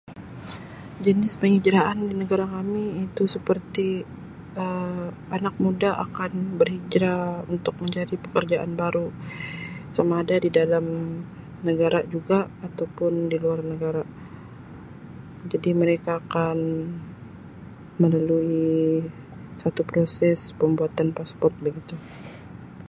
Jenis penghijraan di negara kami iaitu seperti Um anak muda akan berhijrah untuk mencari pekerjaan baru sama ada di dalam negara juga atau pun di luar negara jadi mereka akan melalui satu proses pembuatan ''passport' begitu.